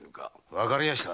わかりやした。